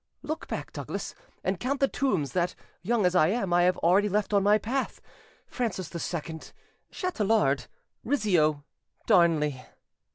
Look back, Douglas, and count the tombs that, young as I am, I have already left on my path—Francis II, Chatelard, Rizzio, Darnley....